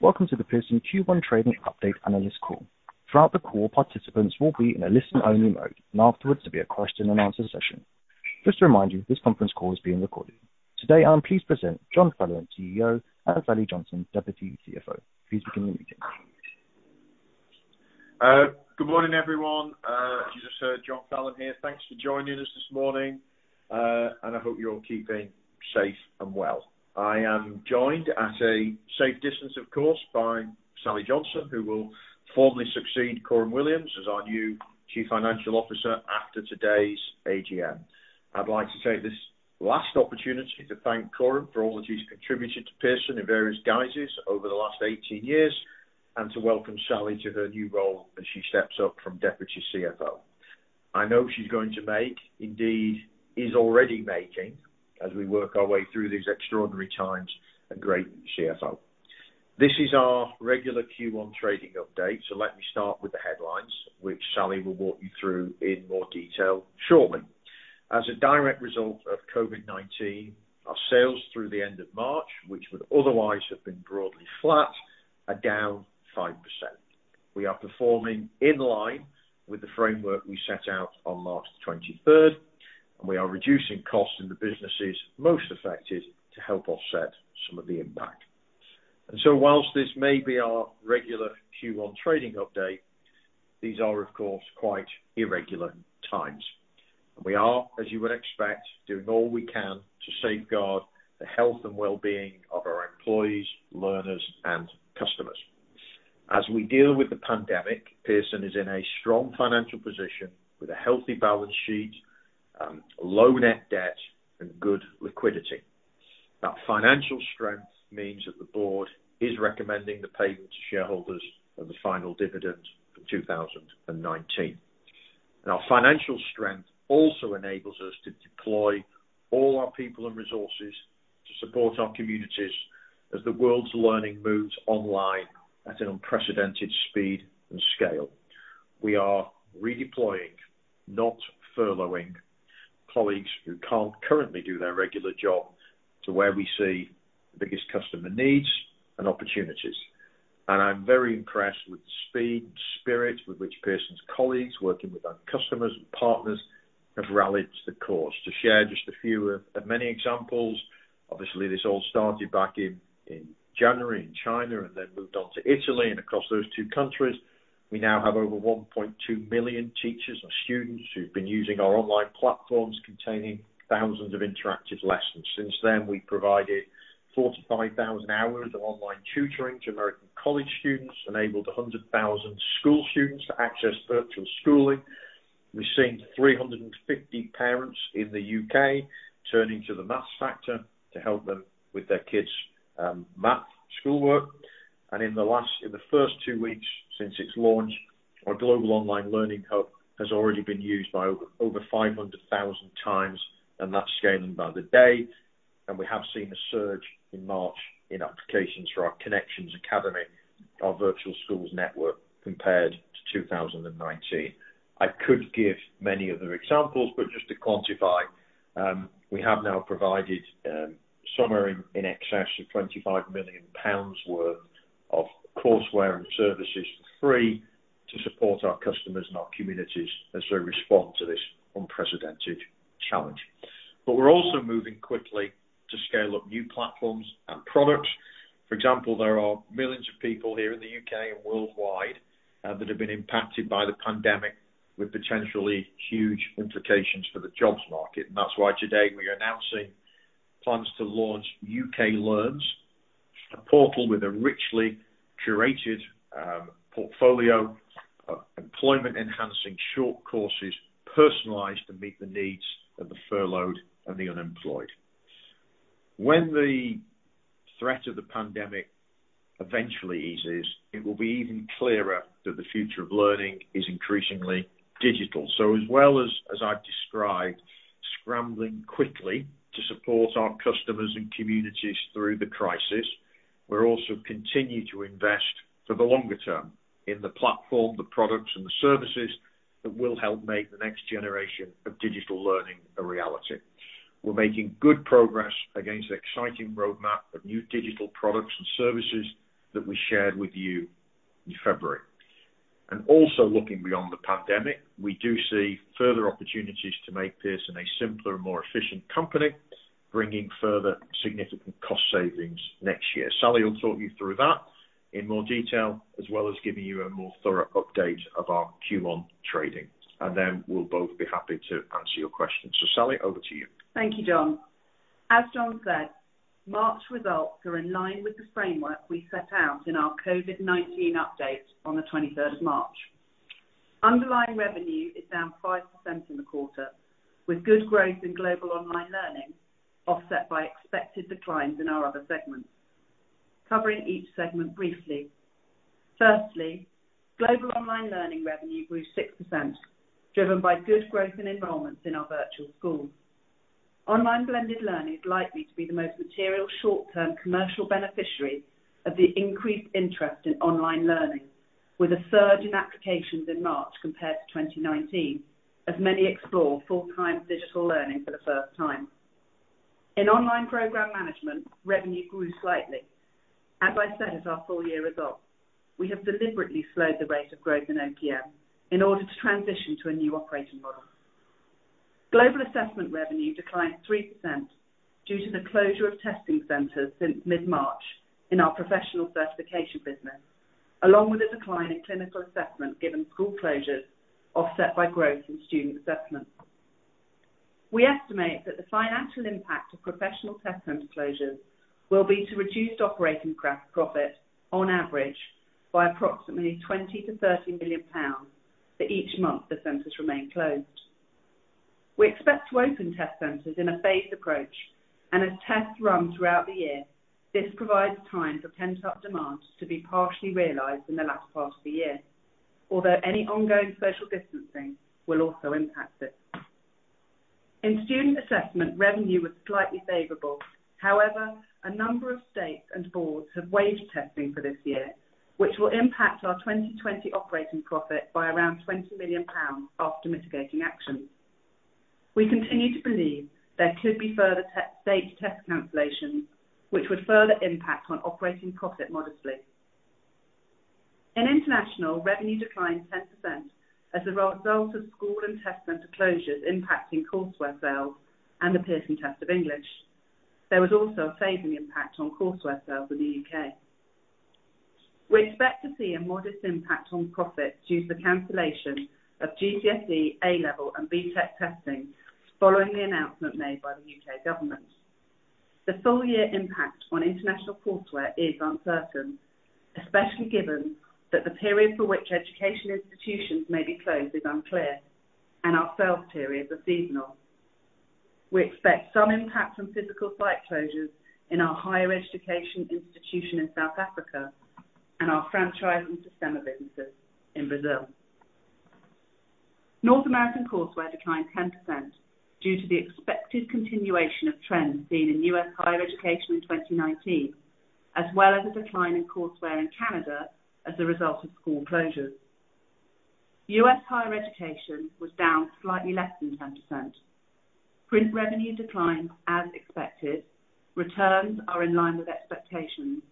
Welcome to the Pearson Q1 Trading Update analyst call. Throughout the call, participants will be in a listen-only mode, and afterwards there will be a question-and-answer session. Just to remind you, this conference call is being recorded. Today, I'm pleased to present John Fallon, CEO, and Sally Johnson, Deputy CFO. Please begin the meeting. Good morning, everyone. As you just heard, John Fallon here. Thanks for joining us this morning, and I hope you're all keeping safe and well. I am joined, at a safe distance, of course, by Sally Johnson, who will formally succeed Coram Williams as our new Chief Financial Officer after today's AGM. I'd like to take this last opportunity to thank Coram for all that she's contributed to Pearson in various guises over the last 18 years, and to welcome Sally to her new role as she steps up from deputy CFO. I know she's going to make, indeed is already making, as we work our way through these extraordinary times, a great CFO. This is our regular Q1 trading update, so let me start with the headlines, which Sally will walk you through in more detail shortly. As a direct result of COVID-19, our sales through the end of March, which would otherwise have been broadly flat, are down 5%. We are performing in line with the framework we set out on March the 23rd, and we are reducing costs in the businesses most affected to help offset some of the impact. Whilst this may be our regular Q1 trading update, these are, of course, quite irregular times. We are, as you would expect, doing all we can to safeguard the health and wellbeing of our employees, learners, and customers. As we deal with the pandemic, Pearson is in a strong financial position with a healthy balance sheet, low net debt, and good liquidity. That financial strength means that the board is recommending the payment to shareholders of the final dividend for 2019. Now, financial strength also enables us to deploy all our people and resources to support our communities as the world's learning moves online at an unprecedented speed and scale. We are redeploying, not furloughing, colleagues who can't currently do their regular job to where we see the biggest customer needs and opportunities. I'm very impressed with the speed and spirit with which Pearson's colleagues, working with our customers and partners, have rallied to the cause. To share just a few of the many examples, obviously, this all started back in January in China and then moved on to Italy and across those two countries. We now have over 1.2 million teachers and students who've been using our online platforms containing thousands of interactive lessons. Since then, we provided 45,000 hours of online tutoring to American college students, enabled 100,000 school students to access virtual schooling. We've seen 350 parents in the U.K. turning to The Maths Factor to help them with their kids' math schoolwork. In the first two weeks since its launch, our Global Online Learning Hub has already been used over 500,000 times, and that's scaling by the day. We have seen a surge in March in applications for our Connections Academy, our virtual schools network, compared to 2019. I could give many other examples, but just to quantify, we have now provided somewhere in excess of 25 million pounds worth of courseware and services for free to support our customers and our communities as they respond to this unprecedented challenge. We're also moving quickly to scale up new platforms and products. For example, there are millions of people here in the U.K. and worldwide that have been impacted by the pandemic with potentially huge implications for the jobs market. That's why today we are announcing plans to launch UK Learns, a portal with a richly curated portfolio of employment-enhancing short courses personalized to meet the needs of the furloughed and the unemployed. When the threat of the pandemic eventually eases, it will be even clearer that the future of learning is increasingly digital. As well as I've described scrambling quickly to support our customers and communities through the crisis, we're also continuing to invest for the longer term in the platform, the products, and the services that will help make the next generation of digital learning a reality. We're making good progress against the exciting roadmap of new digital products and services that we shared with you in February. Also looking beyond the pandemic, we do see further opportunities to make Pearson a simpler and more efficient company, bringing further significant cost savings next year. Sally will talk you through that in more detail, as well as giving you a more thorough update of our Q1 trading, and then we'll both be happy to answer your questions. Sally, over to you. Thank you, John. As John said, March results are in line with the framework we set out in our COVID-19 update on the 23rd of March. Underlying revenue is down 5% in the quarter, with good growth in Global Online Learning offset by expected declines in our other segments. Covering each segment briefly. Firstly, Global Online Learning revenue grew 6%, driven by good growth in enrollments in our virtual schools. online blended learning is likely to be the most material short-term commercial beneficiary of the increased interest in online learning, with a surge in applications in March compared to 2019, as many explore full-time digital learning for the first time. In online program management, revenue grew slightly. As I said at our full-year results, we have deliberately slowed the rate of growth in OPM in order to transition to a new operating model. Global Assessment revenue declined 3% due to the closure of testing centers since mid-March in our Professional Certification business, along with a decline in Clinical Assessment given school closures offset by growth in Student Assessment. We estimate that the financial impact of professional test center closures will be to reduced operating profit on average by approximately 20 million-30 million pounds for each month the centers remain closed. As tests run throughout the year, this provides time for pent-up demand to be partially realized in the latter part of the year. Any ongoing social distancing will also impact it. In Student Assessment, revenue was slightly favorable. A number of states and boards have waived testing for this year, which will impact our 2020 operating profit by around 20 million pounds after mitigating actions. We continue to believe there could be further state test cancellations, which would further impact on operating profit modestly. In international, revenue declined 10% as a result of school and test center closures impacting courseware sales and the Pearson Test of English. There was also a phasing impact on courseware sales in the U.K. We expect to see a modest impact on profit due to the cancellation of GCSE, A-Level, and BTEC testing following the announcement made by the U.K. government. The full-year impact on international courseware is uncertain, especially given that the period for which education institutions may be closed is unclear, and our sales periods are seasonal. We expect some impact from physical site closures in our higher education institution in South Africa and our franchise and systemic businesses in Brazil. North American courseware declined 10% due to the expected continuation of trends seen in U.S. higher education in 2019, as well as a decline in courseware in Canada as a result of school closures. U.S. higher education was down slightly less than 10%. Print revenue declined as expected. Returns are in line with expectations.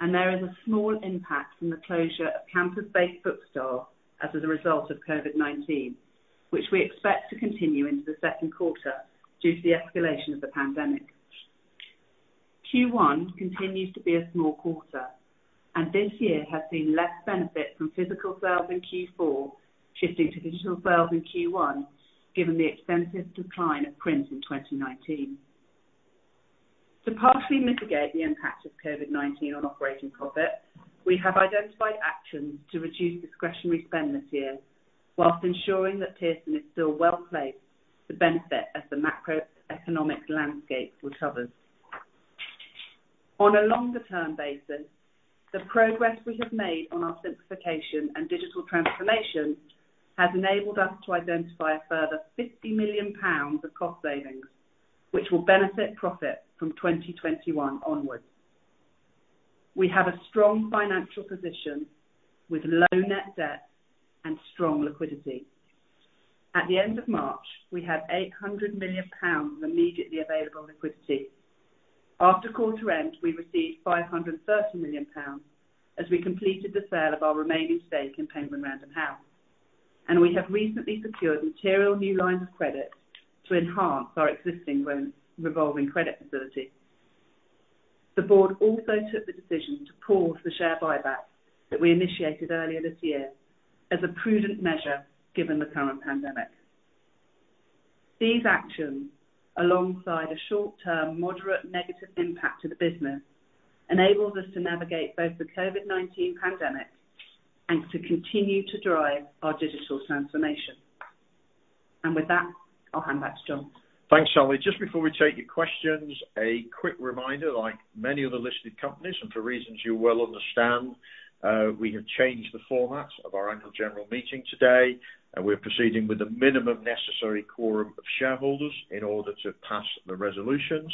There is a small impact from the closure of campus-based bookstore as a result of COVID-19, which we expect to continue into the second quarter due to the escalation of the pandemic. Q1 continues to be a small quarter, and this year has seen less benefit from physical sales in Q4 shifting to digital sales in Q1, given the extensive decline of print in 2019. To partially mitigate the impact of COVID-19 on operating profit, we have identified actions to reduce discretionary spend this year, whilst ensuring that Pearson is still well-placed to benefit as the macroeconomic landscape recovers. On a longer-term basis, the progress we have made on our simplification and digital transformation has enabled us to identify a further 50 million pounds of cost savings, which will benefit profit from 2021 onwards. We have a strong financial position with low net debt and strong liquidity. At the end of March, we had 800 million pounds of immediately available liquidity. After quarter end, we received 530 million pounds as we completed the sale of our remaining stake in Penguin Random House, and we have recently secured material new lines of credit to enhance our existing revolving credit facility. The board also took the decision to pause the share buyback that we initiated earlier this year as a prudent measure given the current pandemic. These actions, alongside a short-term moderate negative impact to the business, enables us to navigate both the COVID-19 pandemic and to continue to drive our digital transformation. With that, I'll hand back to John. Thanks, Sally. Before we take your questions, a quick reminder, like many of the listed companies and for reasons you well understand, we have changed the format of our Annual General Meeting today, and we're proceeding with the minimum necessary quorum of shareholders in order to pass the resolutions.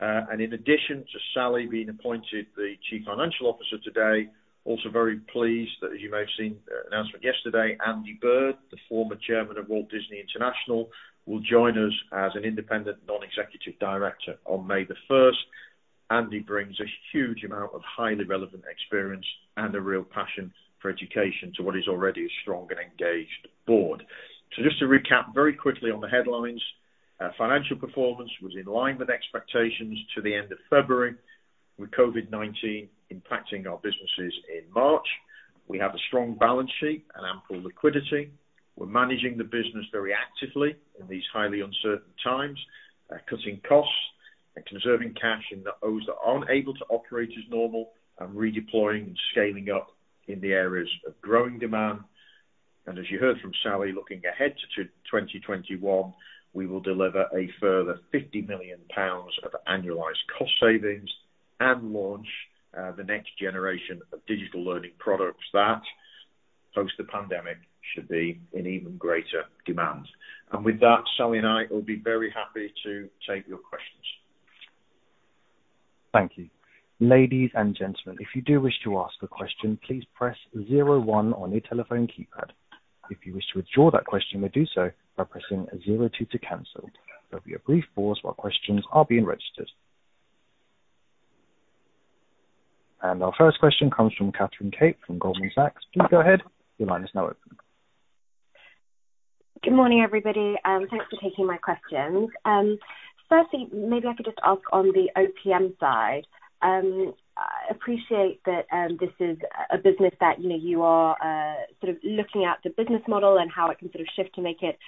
In addition to Sally being appointed the Chief Financial Officer today, also very pleased that as you may have seen the announcement yesterday, Andy Bird, the former Chairman of Walt Disney International, will join us as an Independent Non-Executive Director on May the 1st. Andy brings a huge amount of highly relevant experience and a real passion for education to what is already a strong and engaged board. Just to recap very quickly on the headlines, financial performance was in line with expectations to the end of February, with COVID-19 impacting our businesses in March. We have a strong balance sheet and ample liquidity. We're managing the business very actively in these highly uncertain times. Cutting costs and conserving cash in those that aren't able to operate as normal, and redeploying and scaling up in the areas of growing demand. As you heard from Sally, looking ahead to 2021, we will deliver a further 50 million pounds of annualized cost savings and launch the next generation of digital learning products that post the pandemic should be in even greater demand. With that, Sally and I will be very happy to take your questions. Thank you. Ladies and gentlemen, if you do wish to ask a question, please press zero one on your telephone keypad. If you wish to withdraw that question, you may do so by pressing zero two to cancel. There'll be a brief pause while questions are being registered. Our first question comes from Katherine Tait from Goldman Sachs. Please go ahead. Your line is now open. Good morning, everybody. Thanks for taking my questions. Maybe I could just ask on the OPM side. I appreciate that this is a business that you are sort of looking at the business model and how it can sort of shift to make it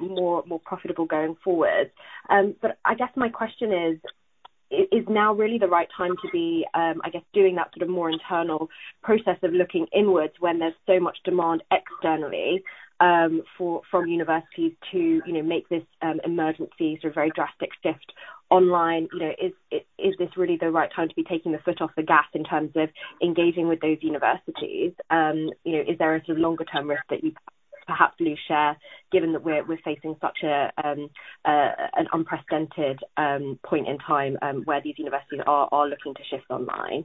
more profitable going forward. I guess my question is now really the right time to be, I guess, doing that sort of more internal process of looking inwards when there's so much demand externally from universities to make this emergency sort of very drastic shift online. Is this really the right time to be taking the foot off the gas in terms of engaging with those universities? Is there a sort of longer-term risk that you perhaps need to share, given that we're facing such an unprecedented point in time where these universities are looking to shift online?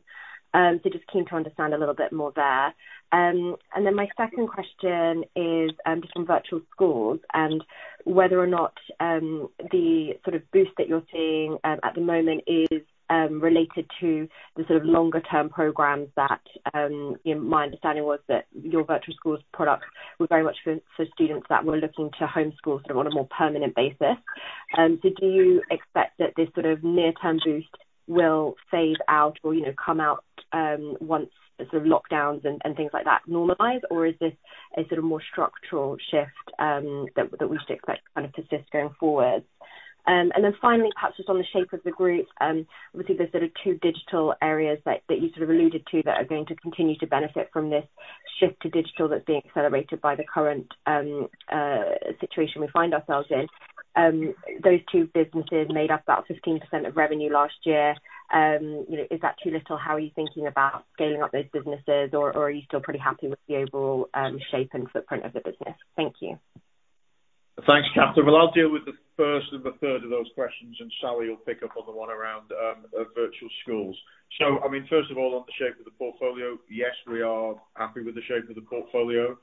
Just keen to understand a little bit more there. My second question is just from virtual schools and whether or not the sort of boost that you're seeing at the moment is related to the sort of longer-term programs that my understanding was that your virtual schools product was very much for students that were looking to homeschool sort of on a more permanent basis. Do you expect that this sort of near-term boost will phase out or come out once the lockdowns and things like that normalize? Is this a sort of more structural shift that we should expect kind of to shift going forward? Finally, perhaps just on the shape of the group, obviously, those sort of two digital areas that you sort of alluded to that are going to continue to benefit from this shift to digital that's being accelerated by the current situation we find ourselves in. Those two businesses made up about 15% of revenue last year. Is that too little? How are you thinking about scaling up those businesses, or are you still pretty happy with the overall shape and footprint of the business? Thank you. Thanks, Katherine. Well, I'll deal with the first and the third of those questions, and Sally will pick up on the one around virtual schools. I mean, first of all, on the shape of the portfolio. Yes, we are happy with the shape of the portfolio.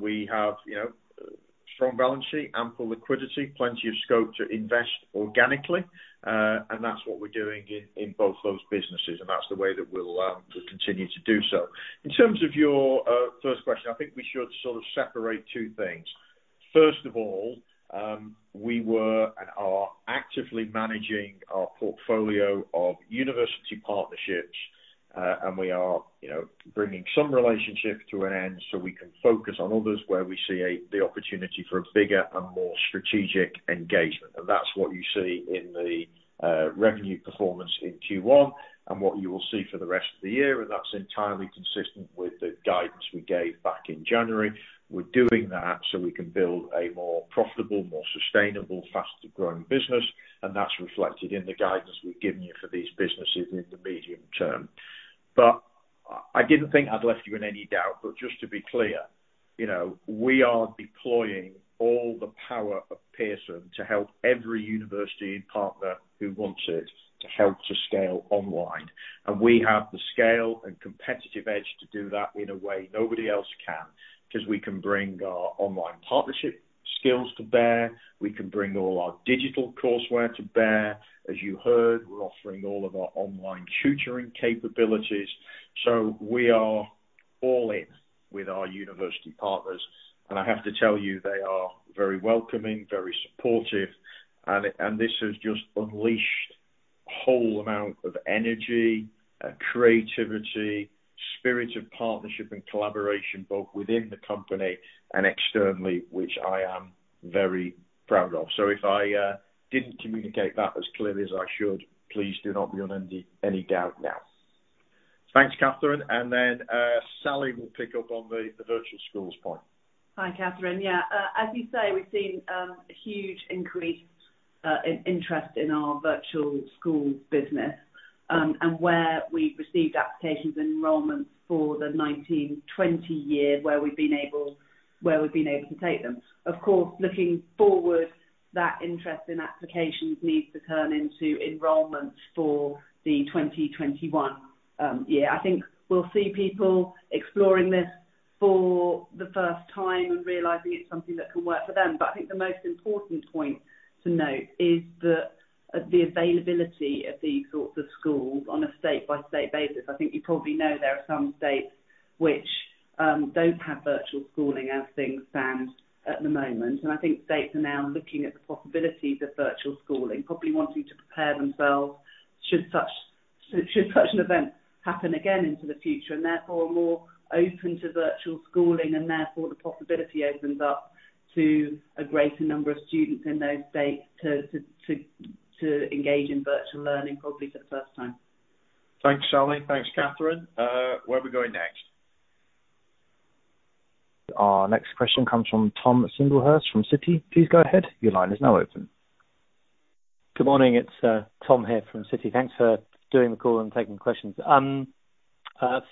We have a strong balance sheet, ample liquidity, plenty of scope to invest organically. That's what we're doing in both those businesses, and that's the way that we'll continue to do so. In terms of your first question, I think we should sort of separate two things. First of all, we were and are actively managing our portfolio of university partnerships. We are bringing some relationships to an end so we can focus on others where we see the opportunity for a bigger and more strategic engagement. That's what you see in the revenue performance in Q1 and what you will see for the rest of the year. That's entirely consistent with the guidance we gave back in January. We're doing that so we can build a more profitable, more sustainable, faster-growing business, and that's reflected in the guidance we've given you for these businesses in the medium term. I didn't think I'd left you in any doubt. Just to be clear, we are deploying all the power of Pearson to help every university and partner who wants it to help to scale online. We have the scale and competitive edge to do that in a way nobody else can because we can bring our online partnership skills to bear. We can bring all our digital courseware to bear. As you heard, we're offering all of our online tutoring capabilities. We are all in with our university partners, and I have to tell you, they are very welcoming, very supportive, and this has just unleashed a whole amount of energy, creativity, spirit of partnership and collaboration, both within the company and externally, which I am very proud of. If I didn't communicate that as clearly as I should, please do not be on any doubt now. Thanks, Katherine. Sally will pick up on the virtual schools point. Hi, Katherine. Yeah. As you say, we've seen a huge increase in interest in our virtual school business. Where we've received applications and enrollments for the 2019-2020 year, where we've been able to take them. Of course, looking forward, that interest in applications needs to turn into enrollments for the 2020-2021 year. I think we'll see people exploring this for the first time and realizing it's something that can work for them. I think the most important point to note is that the availability of these sorts of schools on a state-by-state basis. I think you probably know there are some states which don't have virtual schooling as things stand at the moment. I think states are now looking at the possibilities of virtual schooling, probably wanting to prepare themselves should such an event happen again into the future, and therefore more open to virtual schooling, and therefore the possibility opens up to a greater number of students in those states to engage in virtual learning, probably for the first time. Thanks, Sally. Thanks, Katherine. Where are we going next? Our next question comes from Tom Singlehurst from Citi. Please go ahead. Your line is now open. Good morning. It's Tom here from Citi. Thanks for doing the call and taking questions.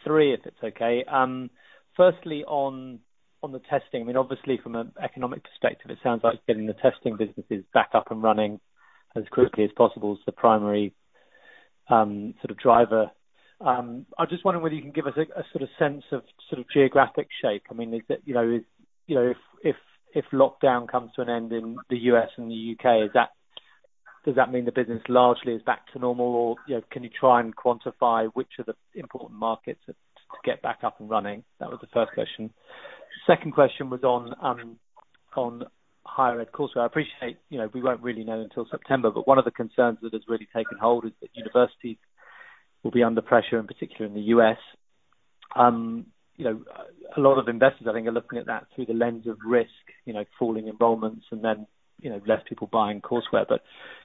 three, if it's okay. Firstly, on the testing. Obviously from an economic perspective, it sounds like getting the testing businesses back up and running as quickly as possible is the primary driver. I just wonder whether you can give us a sense of geographic shape. If lockdown comes to an end in the U.S. and the U.K., does that mean the business largely is back to normal? Can you try and quantify which are the important markets to get back up and running? That was the first question. Second question was on higher ed course, where I appreciate we won't really know until September, but one of the concerns that has really taken hold is that universities will be under pressure, in particular in the U.S. A lot of investors, I think, are looking at that through the lens of risk, falling enrollments, and then less people buying courseware.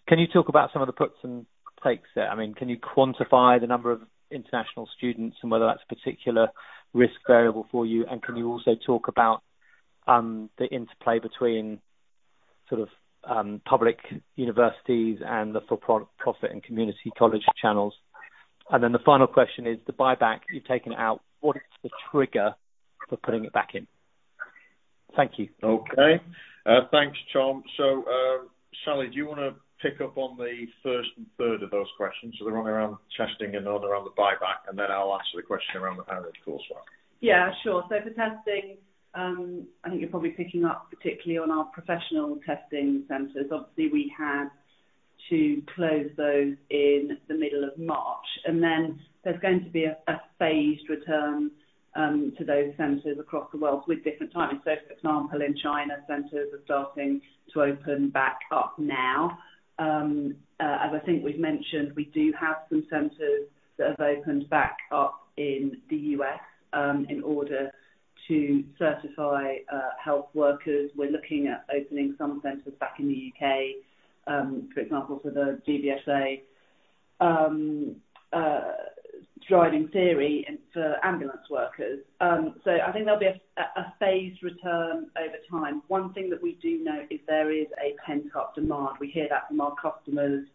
Can you talk about some of the puts and takes there? Can you quantify the number of international students and whether that's a particular risk variable for you? Can you also talk about the interplay between public universities and the for-profit and community college channels? The final question is the buyback you've taken out. What is the trigger for putting it back in? Thank you. Okay. Thanks, Tom. Sally, do you want to pick up on the first and third of those questions? They're one around testing and the other around the buyback, and then I'll answer the question around the higher ed courseware. Yeah, sure. For testing, I think you're probably picking up particularly on our professional testing centers. Obviously, we had to close those in the middle of March. There's going to be a phased return to those centers across the world with different timings. For example, in China, centers are starting to open back up now. I think we've mentioned, we do have some centers that have opened back up in the U.S. in order to certify health workers. We're looking at opening some centers back in the U.K., for example, for the DVSA driving theory and for ambulance workers. I think there'll be a phased return over time. One thing that we do know is there is a pent-up demand. We hear that from our customers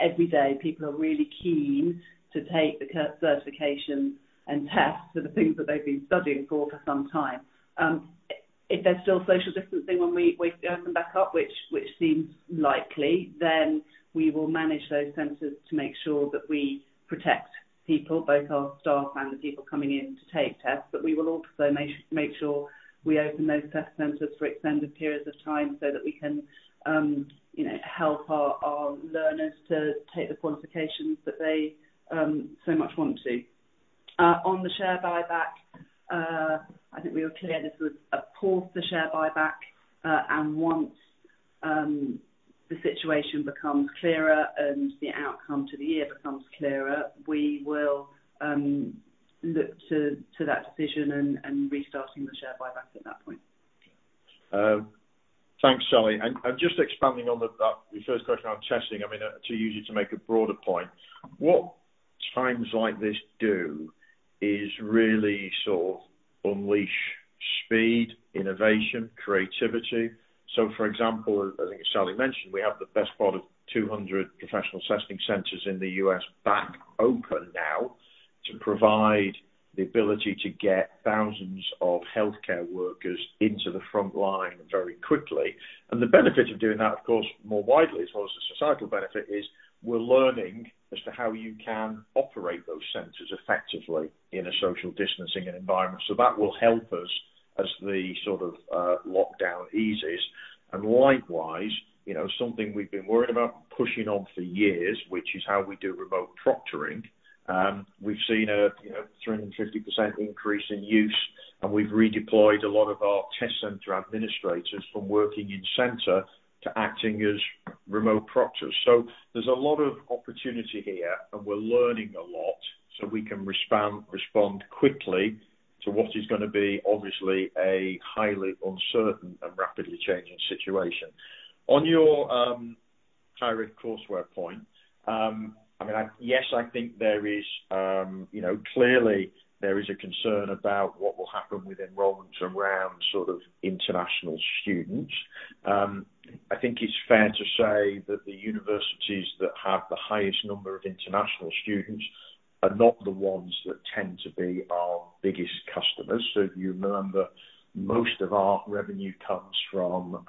every day. People are really keen to take the certification and tests for the things that they've been studying for some time. We will manage those centers to make sure that we protect people, both our staff and the people coming in to take tests. We will also make sure we open those test centers for extended periods of time so that we can help our learners to take the qualifications that they so much want to. On the share buyback, I think we were clear this was a pause to share buyback, and once the situation becomes clearer and the outcome to the year becomes clearer, we will look to that decision and restarting the share buyback at that point. Thanks, Sally. Just expanding on the first question on testing, to use you to make a broader point. What times like this do is really sort of unleash speed, innovation, creativity. For example, I think as Sally mentioned, we have the best part of 200 professional testing centers in the U.S. back open now to provide the ability to get thousands of healthcare workers into the front line very quickly. The benefit of doing that, of course, more widely, as well as the societal benefit, is we're learning as to how you can operate those centers effectively in a social distancing environment. That will help us as the lockdown eases. Likewise, something we've been worried about pushing on for years, which is how we do remote proctoring. We've seen a 350% increase in use, and we've redeployed a lot of our test center administrators from working in center to acting as remote proctors. There's a lot of opportunity here, and we're learning a lot, so we can respond quickly to what is going to be obviously a highly uncertain and rapidly changing situation. On your higher ed courseware point, yes, I think clearly there is a concern about what will happen with enrollments around international students. I think it's fair to say that the universities that have the highest number of international students are not the ones that tend to be our biggest customers. If you remember, most of our revenue comes from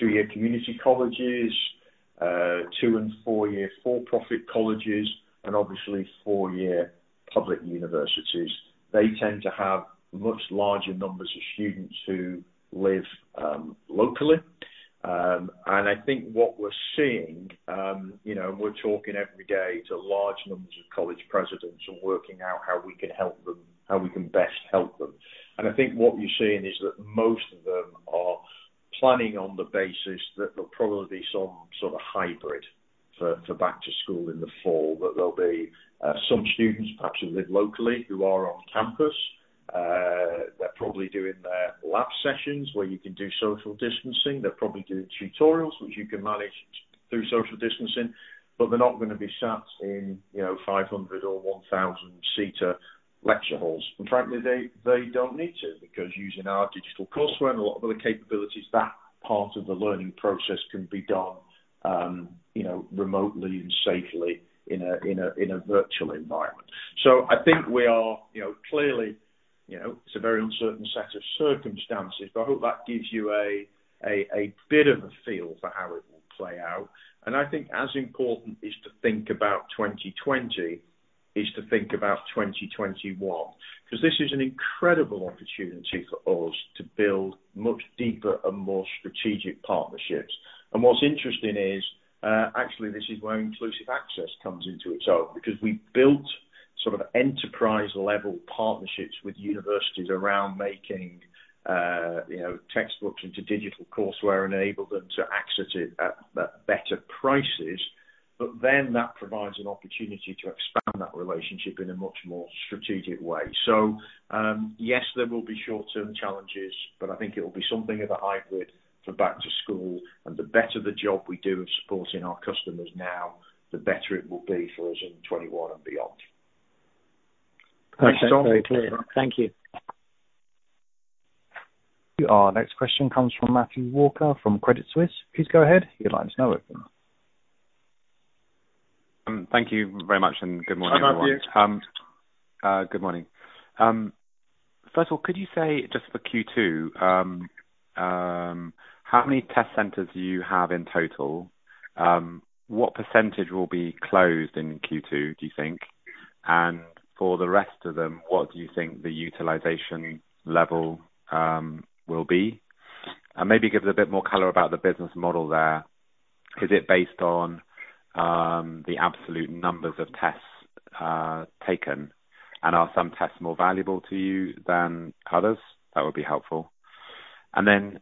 two-year community colleges, two and four-year for-profit colleges, and obviously four-year public universities. They tend to have much larger numbers of students who live locally. I think what we're seeing, we're talking every day to large numbers of college presidents and working out how we can best help them. I think what you're seeing is that most of them are planning on the basis that there'll probably be some sort of hybrid for back to school in the fall. There'll be some students, perhaps who live locally, who are on campus. They're probably doing their lab sessions where you can do social distancing. They're probably doing tutorials, which you can manage through social distancing, but they're not going to be sat in 500 or 1,000 seater lecture halls. Frankly, they don't need to, because using our digital courseware and a lot of other capabilities, that part of the learning process can be done remotely and safely in a virtual environment. I think clearly, it's a very uncertain set of circumstances, but I hope that gives you a bit of a feel for how it will play out. I think as important is to think about 2020, is to think about 2021, because this is an incredible opportunity for us to build much deeper and more strategic partnerships. What's interesting is, actually this is where Inclusive Access comes into its own, because we built enterprise-level partnerships with universities around making textbooks into digital courseware, enable them to access it at better prices. That provides an opportunity to expand that relationship in a much more strategic way. Yes, there will be short-term challenges, but I think it will be something of a hybrid for back to school. The better the job we do of supporting our customers now, the better it will be for us in 2021 and beyond. Thanks, John. Very clear. Thank you. Our next question comes from Matthew Walker from Credit Suisse. Please go ahead. Your line is now open. Thank you very much, and good morning, everyone. Hi, Matthew. Good morning. First of all, could you say just for Q2, how many test centers do you have in total? What percentage will be closed in Q2, do you think? For the rest of them, what do you think the utilization level will be? Maybe give us a bit more color about the business model there. Is it based on the absolute numbers of tests taken, and are some tests more valuable to you than others? That would be helpful. Then,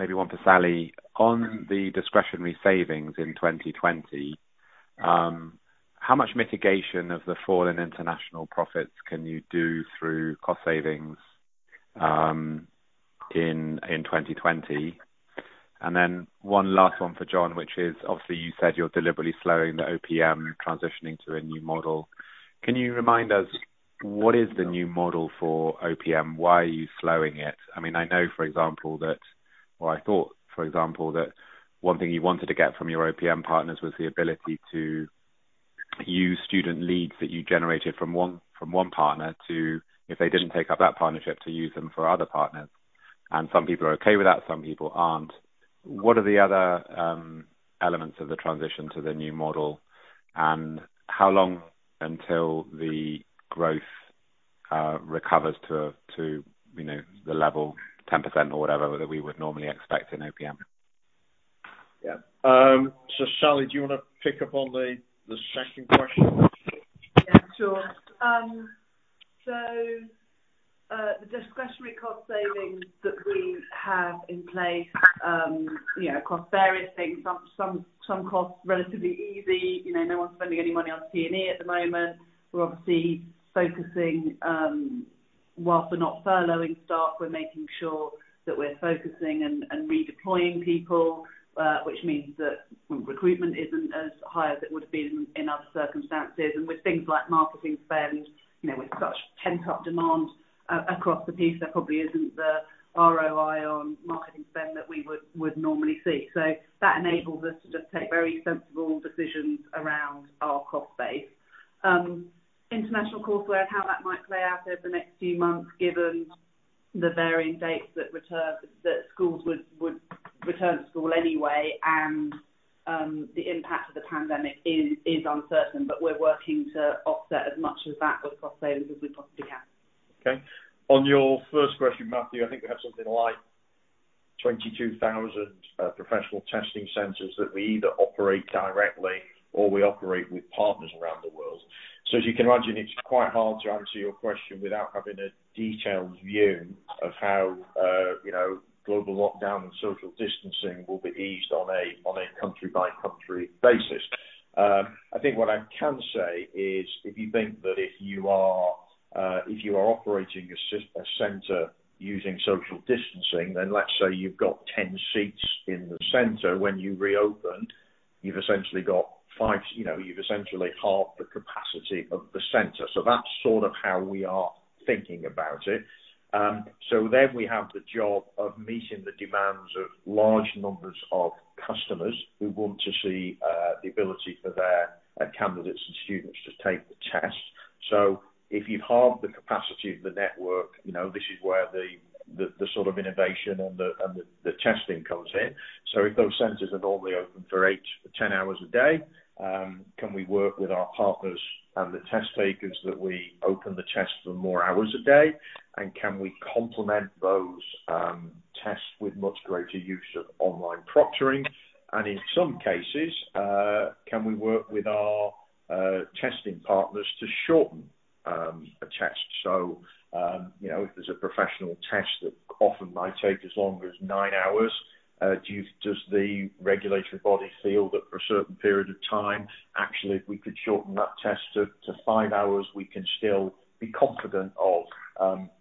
maybe one for Sally. On the discretionary savings in 2020, how much mitigation of the foreign international profits can you do through cost savings in 2020? Then one last one for John, which is, obviously you said you're deliberately slowing the OPM, transitioning to a new model. Can you remind us what is the new model for OPM? Why are you slowing it? I know, for example, that or I thought, for example, that one thing you wanted to get from your OPM partners was the ability to use student leads that you generated from one partner to, if they didn't take up that partnership, to use them for other partners. Some people are okay with that, some people aren't. What are the other elements of the transition to the new model, and how long until the growth recovers to the level, 10% or whatever, that we would normally expect in OPM? Yeah. Sally, do you want to pick up on the second question? Yeah, sure. The discretionary cost savings that we have in place across various things, some costs relatively easy. No one's spending any money on T&E at the moment. We're obviously focusing, whilst we're not furloughing staff, we're making sure that we're focusing and redeploying people, which means that recruitment isn't as high as it would have been in other circumstances. With things like marketing spend, with such pent-up demand across the piece, there probably isn't the ROI on marketing spend that we would normally see. That enables us to just take very sensible decisions around our cost base. International courseware and how that might play out over the next few months, given the varying dates that schools would return to school anyway and the impact of the pandemic is uncertain, but we're working to offset as much of that with cost savings as we possibly can. Okay. On your first question, Matthew, I think we have something like 22,000 professional testing centers that we either operate directly or we operate with partners around the world. As you can imagine, it's quite hard to answer your question without having a detailed view of how global lockdown and social distancing will be eased on a country-by-country basis. I think what I can say is, if you think that if you are operating a center using social distancing, then let's say you've got 10 seats in the center when you reopen, you've essentially halved the capacity of the center. That's sort of how we are thinking about it. We have the job of meeting the demands of large numbers of customers who want to see the ability for their candidates and students to take the test. If you halve the capacity of the network, this is where the sort of innovation and the testing comes in. If those centers are normally open for 8-10 hours a day, can we work with our partners and the test takers that we open the test for more hours a day? Can we complement those tests with much greater use of online proctoring? In some cases, can we work with our testing partners to shorten a test? If there's a professional test that often might take as long as nine hours, does the regulatory body feel that for a certain period of time, actually, if we could shorten that test to five hours, we can still be confident of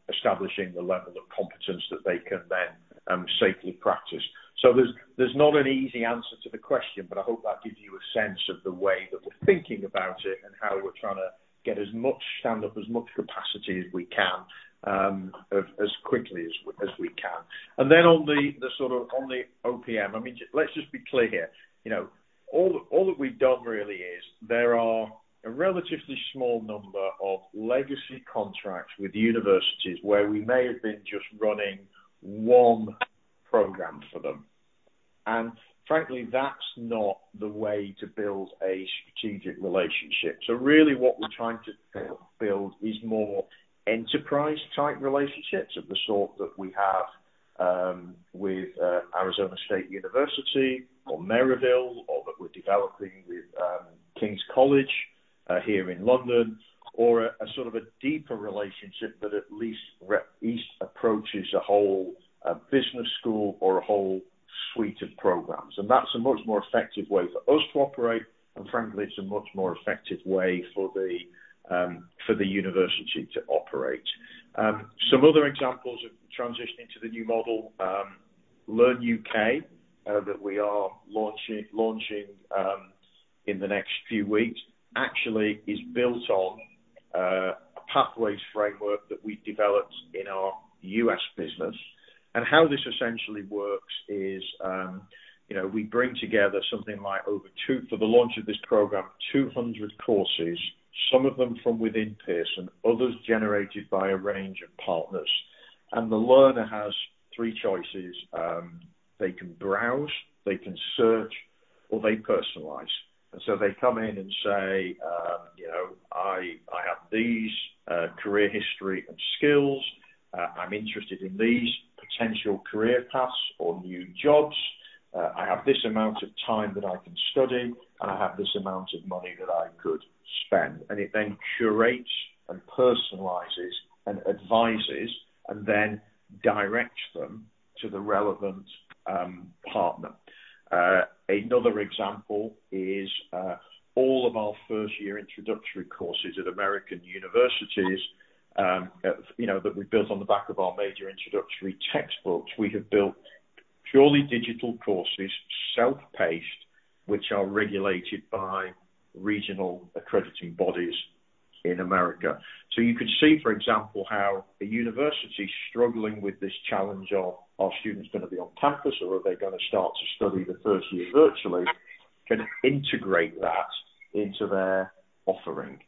establishing the level of competence that they can then safely practice. There's not an easy answer to the question, but I hope that gives you a sense of the way that we're thinking about it and how we're trying to stand up as much capacity as we can as quickly as we can. On the OPM, let's just be clear here. All that we've done really is, there are a relatively small number of legacy contracts with universities where we may have been just running one program for them. Frankly, that's not the way to build a strategic relationship. Really what we're trying to build is more enterprise-type relationships of the sort that we have with Arizona State University, or Maryville, or that we're developing with King's College here in London, or a sort of a deeper relationship that at least approaches a whole business school or a whole suite of programs. That's a much more effective way for us to operate, and frankly, it's a much more effective way for the university to operate. Some other examples of transitioning to the new model, UK Learns, that we are launching in the next few weeks, actually is built on a pathways framework that we've developed in our U.S. business. How this essentially works is, we bring together something like, for the launch of this program, 200 courses, some of them from within Pearson, others generated by a range of partners. The learner has three choices: they can browse, they can search, or they personalize. They come in and say, "I have these career history and skills. I'm interested in these potential career paths or new jobs. I have this amount of time that I can study, and I have this amount of money that I could spend. It then curates, and personalizes, and advises, and then directs them to the relevant partner. Another example is all of our first-year introductory courses at American universities that we built on the back of our major introductory textbooks. We have built purely digital courses, self-paced, which are regulated by regional accrediting bodies in America. You can see, for example, how a university struggling with this challenge of, are students going to be on campus, or are they going to start to study the first year virtually, can integrate that into their offering.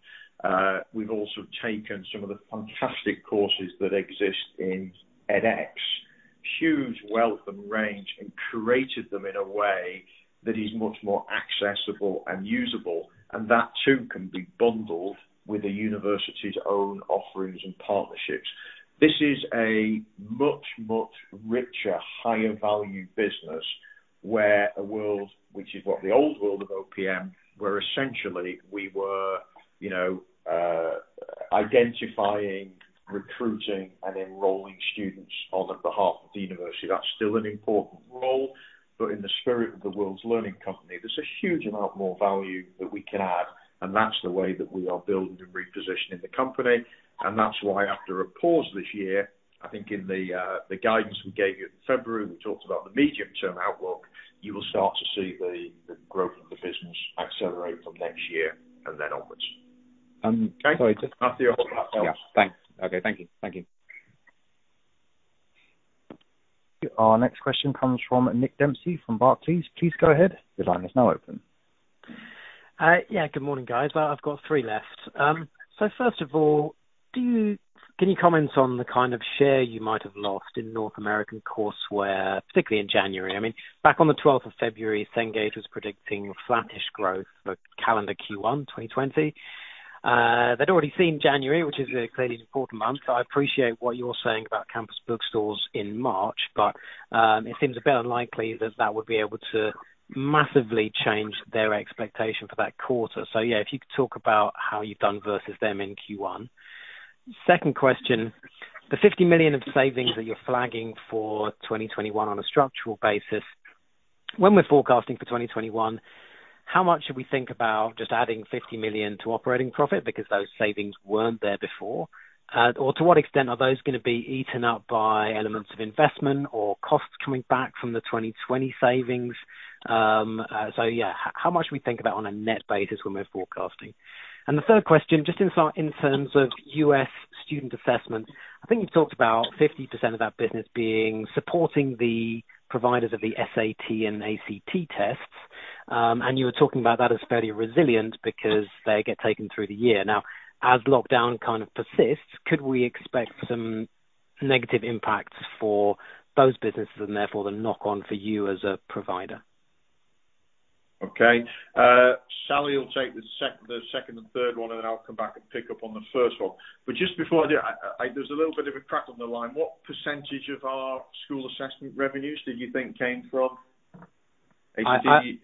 We've also taken some of the fantastic courses that exist in edX, huge wealth and range, and curated them in a way that is much more accessible and usable, and that too can be bundled with a university's own offerings and partnerships. This is a much, much richer, higher value business, which is what the old world of OPM, where essentially we were identifying, recruiting, and enrolling students on behalf of the university. That's still an important role. In the spirit of the world's learning company, there's a huge amount more value that we can add, and that's the way that we are building and repositioning the company. That's why after a pause this year, I think in the guidance we gave you in February, we talked about the medium-term outlook. You will start to see the growth of the business accelerate from next year and then onwards. Okay. Matthew, I'll pass to you. Yeah. Thanks. Okay. Thank you. Our next question comes from Nick Dempsey from Barclays. Please go ahead. Your line is now open. Good morning, guys. I've got three left. First of all, can you comment on the kind of share you might have lost in North American courseware, particularly in January? Back on the 12th of February, Cengage was predicting flattish growth for calendar Q1 2020. They'd already seen January, which is a clearly important month. I appreciate what you're saying about campus bookstores in March, it seems a bit unlikely that that would be able to massively change their expectation for that quarter. Yeah, if you could talk about how you've done versus them in Q1. Second question, the 50 million of savings that you're flagging for 2021 on a structural basis, when we're forecasting for 2021, how much should we think about just adding 50 million to operating profit because those savings weren't there before? To what extent are those going to be eaten up by elements of investment or costs coming back from the 2020 savings? Yeah, how much should we think about on a net basis when we're forecasting? The third question, just in terms of U.S. Student Assessment, I think you talked about 50% of that business being supporting the providers of the SAT and ACT tests, and you were talking about that as fairly resilient because they get taken through the year. Now, as lockdown kind of persists, could we expect some negative impacts for those businesses and therefore the knock on for you as a provider? Okay. Sally will take the second and third one, and then I'll come back and pick up on the first one. Just before I do, there's a little bit of a crack on the line. What percentage of our school assessment revenues do you think came from ACT?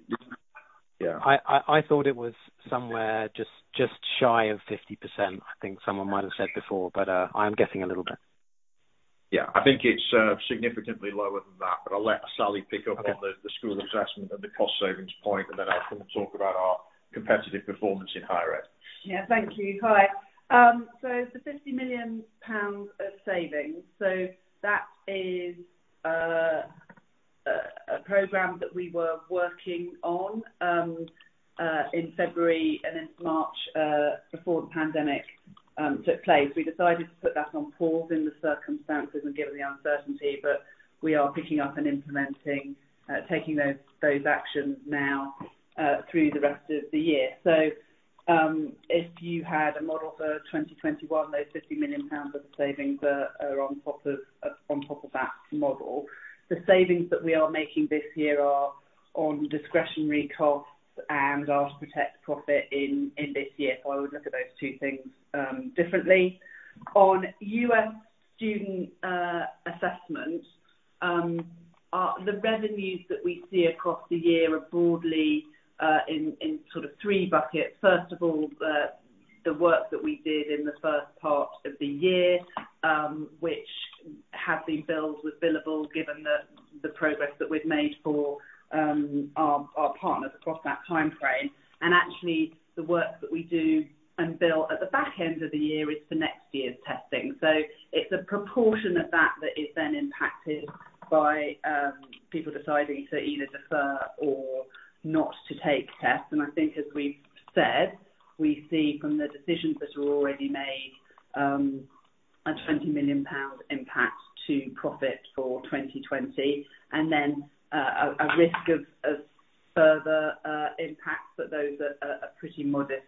Yeah. I thought it was somewhere just shy of 50%, I think someone might have said before, but I'm guessing a little bit. Yeah. I think it's significantly lower than that, but I'll let Sally pick up on the school assessment and the cost savings point, and then I'll come and talk about our competitive performance in higher ed. Thank you. Hi. The 50 million pounds of savings, that is a program that we were working on in February and into March, before the pandemic took place. We decided to put that on pause in the circumstances and given the uncertainty, we are picking up and implementing, taking those actions now through the rest of the year. If you had a model for 2021, those 50 million pounds of savings are on top of that model. The savings that we are making this year are on discretionary costs and are to protect profit in this year. I would look at those two things differently. On U.S. Student Assessment, the revenues that we see across the year are broadly in three buckets. First of all, the work that we did in the first part of the year, which have been billed as billable, given the progress that we've made for our partners across that time frame. Actually, the work that we do and bill at the back end of the year is for next year's testing. It's a proportion of that that is then impacted by people deciding to either defer or not to take tests. I think as we've said, we see from the decisions that are already made, a 20 million pound impact to profit for 2020. Then a risk of further impacts, those are pretty modest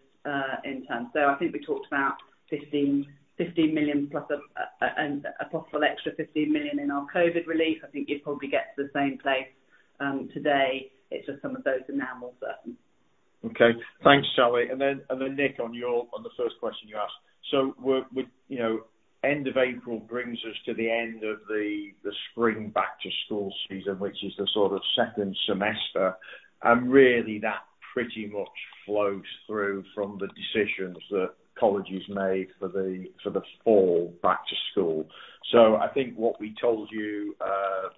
in turn. I think we talked about 15 million plus a possible extra 15 million in our COVID relief. I think you'd probably get to the same place today. It's just some of those are now more certain. Okay. Thanks, Sally. Nick, on the first question you asked. End of April brings us to the end of the spring back to school season, which is the sort of second semester, really that pretty much flows through from the decisions that colleges made for the fall back to school. I think what we told you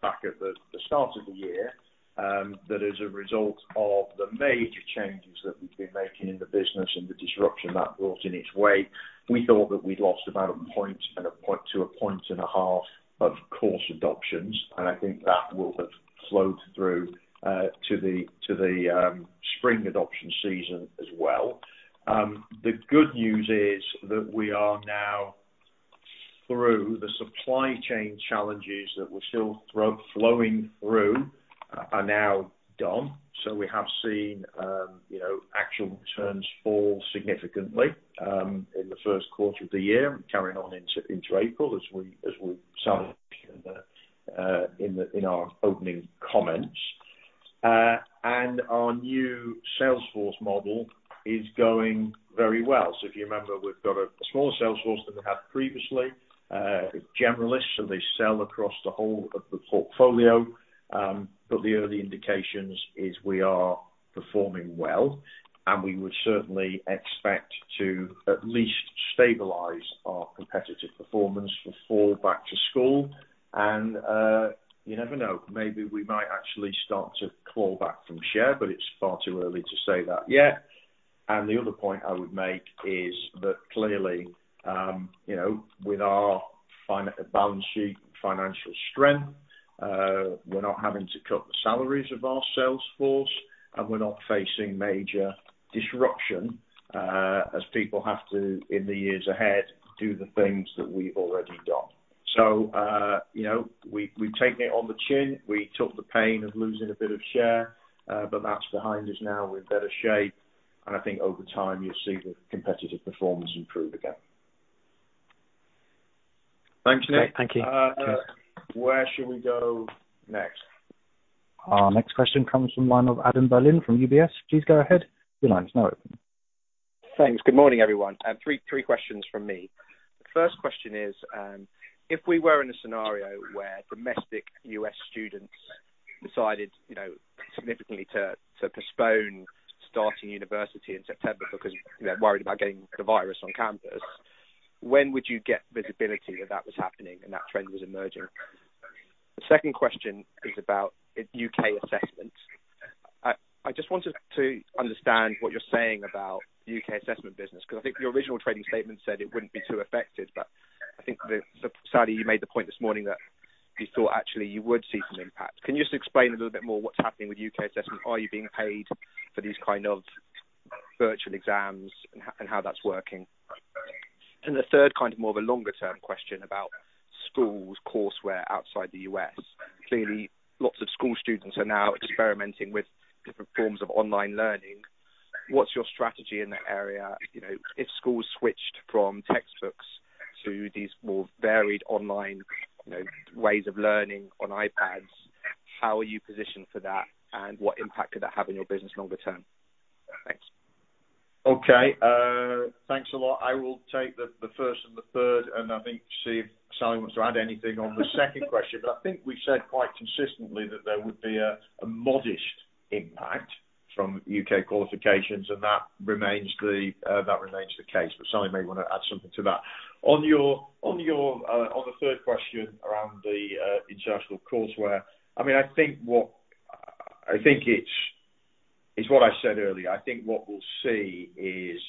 back at the start of the year, that as a result of the major changes that we've been making in the business and the disruption that brought in its way, we thought that we'd lost about a point and a point to a point and a half of course adoptions, I think that will have flowed through to the spring adoption season as well. The good news is that we are now through the supply chain challenges that were still flowing through, are now done. We have seen actual returns fall significantly in the first quarter of the year, carrying on into April as we said in our opening comments. Our new sales force model is going very well. If you remember, we've got a smaller sales force than we had previously, generalists, so they sell across the whole of the portfolio. The early indications is we are performing well, and we would certainly expect to at least stabilize our competitive performance for fall back to school. You never know, maybe we might actually start to claw back some share, but it's far too early to say that yet. The other point I would make is that clearly, with our balance sheet financial strength, we're not having to cut the salaries of our sales force, and we're not facing major disruption, as people have to, in the years ahead, do the things that we've already done. We've taken it on the chin. We took the pain of losing a bit of share, but that's behind us now. We're in better shape. I think over time, you'll see the competitive performance improve again. Thanks, Nick. Thank you. Cheers. Where should we go next? Our next question comes from the line of Adam Berlin from UBS. Please go ahead. Your line is now open. Thanks. Good morning, everyone. I have three questions from me. The first question is, if we were in a scenario where domestic U.S. students decided significantly to postpone starting university in September because they're worried about getting the virus on campus, when would you get visibility if that was happening and that trend was emerging? The second question is about U.K. Assessments. I just wanted to understand what you're saying about the U.K. Assessment business. I think your original trading statement said it wouldn't be too affected. I think that Sally, you made the point this morning that you thought actually you would see some impact. Can you just explain a little bit more what's happening with U.K. Assessments? Are you being paid for these kind of virtual exams, and how that's working? The third kind of more of a longer-term question about schools' courseware outside the U.S. Clearly, lots of school students are now experimenting with different forms of online learning. What's your strategy in that area? If schools switched from textbooks to these more varied online ways of learning on iPads, how are you positioned for that, and what impact could that have on your business longer term? Thanks. Okay. Thanks a lot. I will take the first and the third, and I think see if Sally wants to add anything on the second question. I think we said quite consistently that there would be a modest impact from U.K. qualifications, and that remains the case, but Sally may want to add something to that. On the third question around the international courseware, I think it's what I said earlier. I think what we'll see is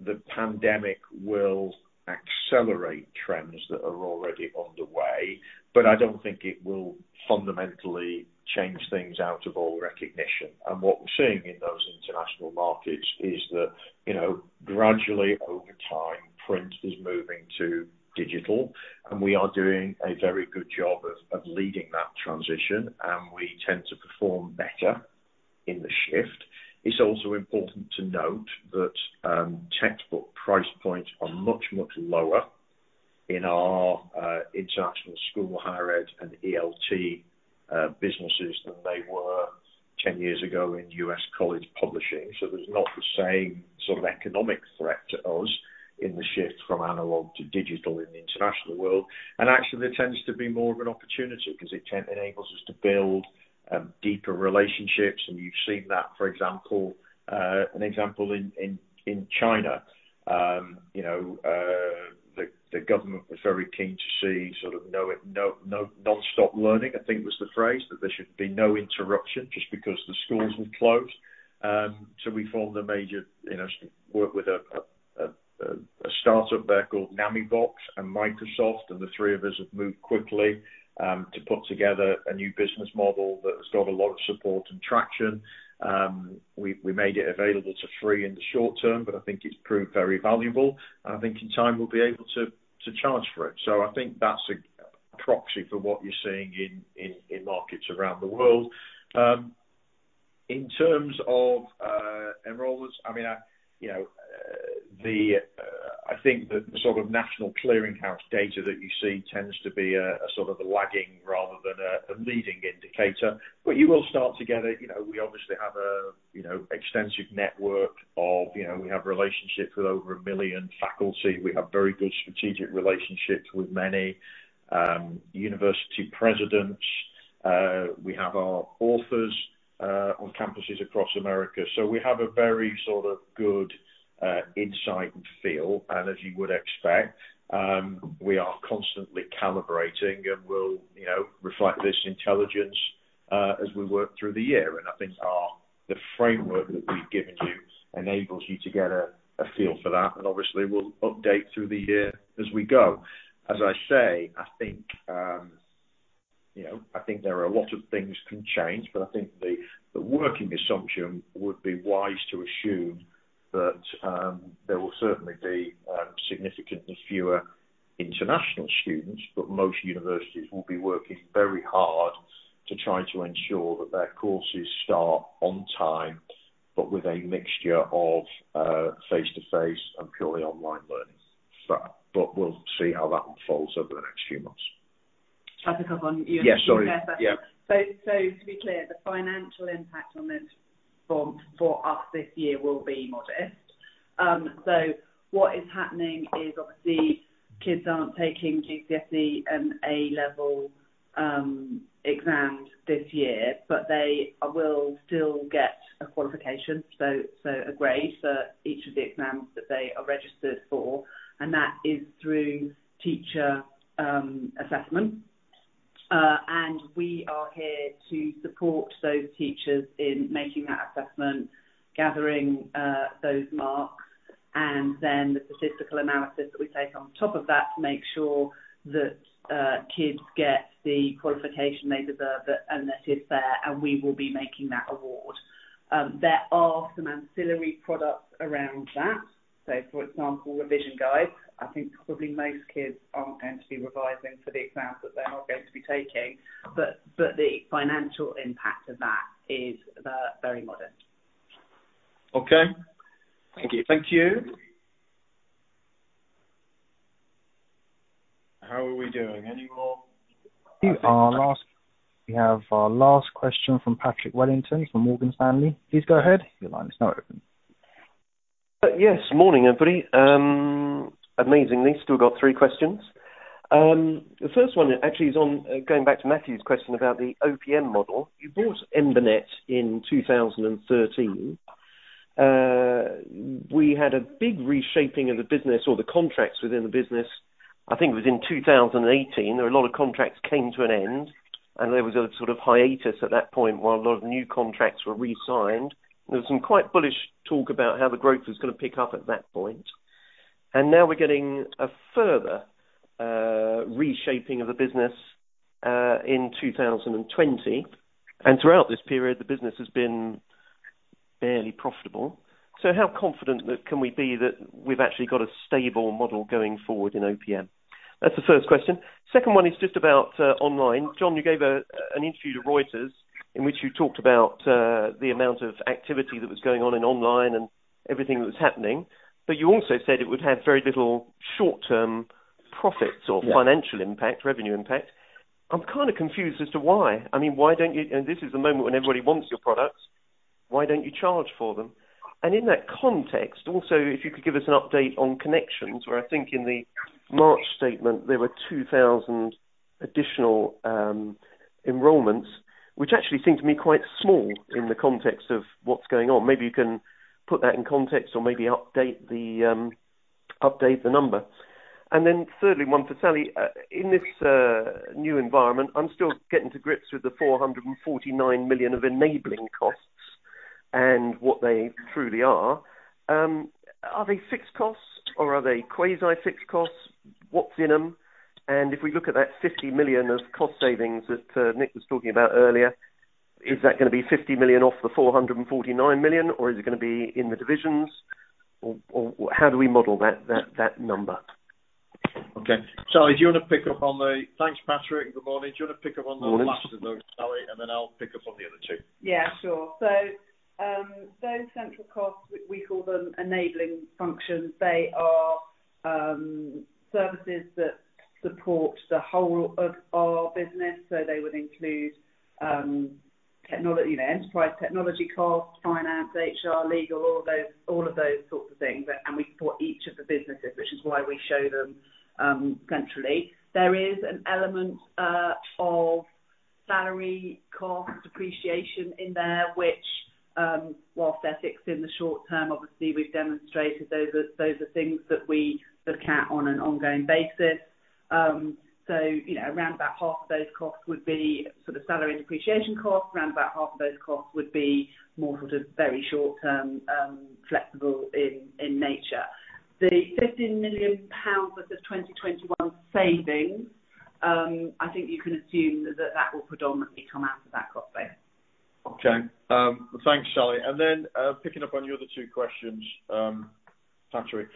the pandemic will accelerate trends that are already underway, but I don't think it will fundamentally change things out of all recognition. What we're seeing in those international markets is that gradually over time, print is moving to digital, and we are doing a very good job of leading that transition, and we tend to perform better in the shift. It's also important to note that textbook price points are much, much lower in our international school, higher ed, and ELT businesses than they were 10 years ago in U.S. college publishing. There's not the same sort of economic threat to us in the shift from analog to digital in the international world. Actually, there tends to be more of an opportunity because it enables us to build deeper relationships, and you've seen that, for example, in China. The government was very keen to see non-stop learning, I think was the phrase, that there should be no interruption just because the schools were closed. We formed a major work with a startup there called NamiBox and Microsoft, and the three of us have moved quickly to put together a new business model that has got a lot of support and traction. We made it available to free in the short term, but I think it's proved very valuable, and I think in time we'll be able to charge for it. I think that's a proxy for what you're seeing in markets around the world. In terms of enrollments, I think the sort of national clearing house data that you see tends to be a sort of lagging rather than a leading indicator. You will start to get it. We obviously have a extensive network, we have relationships with over a million faculty. We have very good strategic relationships with many university presidents. We have our authors on campuses across America. We have a very sort of good insight and feel, and as you would expect, we are constantly calibrating and will reflect this intelligence as we work through the year. I think the framework that we've given you enables you to get a feel for that, and obviously, we'll update through the year as we go. As I say, I think there are a lot of things can change, but I think the working assumption would be wise to assume that there will certainly be significantly fewer international students, but most universities will be working very hard to try to ensure that their courses start on time, but with a mixture of face-to-face and purely online learning. We'll see how that one falls over the next few months. I'll pick up on. Yeah, sorry. To be clear, the financial impact on this for us this year will be modest. What is happening is obviously kids aren't taking GCSE and A-Level exams this year, but they will still get a qualification, so a grade for each of the exams that they are registered for, and that is through teacher assessment. We are here to support those teachers in making that assessment, gathering those marks, and then the statistical analysis that we take on top of that to make sure that kids get the qualification they deserve and that is fair, and we will be making that award. There are some ancillary products around that. For example, revision guides. I think probably most kids aren't going to be revising for the exams that they are going to be taking. The financial impact of that is very modest. Okay. Thank you. Thank you. How are we doing? Any more? We have our last question from Patrick Wellington from Morgan Stanley. Please go ahead. Your line is now open. Yes, morning, everybody. Amazingly, still got three questions. The first one actually is on going back to Matthew's question about the OPM model. You bought EmbanetCompass in 2013. We had a big reshaping of the business or the contracts within the business. I think it was in 2018. There were a lot of contracts came to an end. There was a sort of hiatus at that point while a lot of new contracts were re-signed. There was some quite bullish talk about how the growth was going to pick up at that point. Now we're getting a further reshaping of the business in 2020. Throughout this period, the business has been barely profitable. How confident can we be that we've actually got a stable model going forward in OPM? That's the first question. Second one is just about online. John, you gave an interview to Reuters in which you talked about the amount of activity that was going on in online and everything that was happening. You also said it would have very little short-term profits or financial impact, revenue impact. I'm kind of confused as to why. This is the moment when everybody wants your products. Why don't you charge for them? In that context, also, if you could give us an update on Connections, where I think in the March statement, there were 2,000 additional enrollments, which actually seem to me quite small in the context of what's going on. Maybe you can put that in context or maybe update the number. Thirdly, one for Sally. In this new environment, I'm still getting to grips with the 449 million of enabling costs and what they truly are. Are they fixed costs or are they quasi fixed costs? What's in them? If we look at that 50 million of cost savings that Nick was talking about earlier, is that going to be 50 million off the 449 million, or is it going to be in the divisions? How do we model that number? Okay. Sally, do you want to pick up on the Thanks, Patrick? Good morning. Do you want to pick up on the last of those, Sally? Then I'll pick up on the other two. Sure. Those central costs, we call them enabling functions. They are services that support the whole of our business. They would include enterprise technology costs, finance, HR, legal, all of those sorts of things. We support each of the businesses, which is why we show them centrally. There is an element of salary cost depreciation in there, which whilst they're fixed in the short term, obviously, we've demonstrated those are things that we look at on an ongoing basis. Around about half of those costs would be sort of salary depreciation costs, around about half of those costs would be more sort of very short-term, flexible in nature. The 15 million pounds of the 2021 savings, I think you can assume that will predominantly come out of that cost base. Okay. Thanks, Sally. Then, picking up on your other two questions, Patrick.